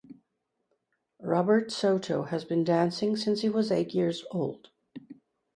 Robert Soto has been dancing since he was eight years old.